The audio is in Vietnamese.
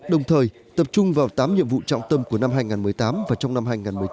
đồng thời tập trung vào tám nhiệm vụ trọng tâm của năm hai nghìn một mươi tám và trong năm hai nghìn một mươi chín